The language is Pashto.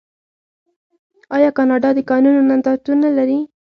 آیا کاناډا د کانونو نندارتون نلري؟